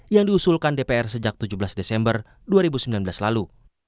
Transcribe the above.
yang diusulkan dpr sejak tujuh belas desember dua ribu sembilan belas lalu